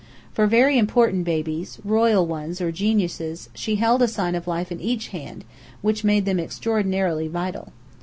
For very important babies, royal ones or geniuses, she held a Sign of Life in each hand, which made them extraordinarily vital.